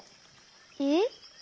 えっ？